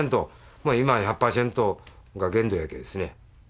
もう今は１００％が限度やけですねはい